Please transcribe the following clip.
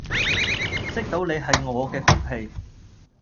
識到你係我嘅福氣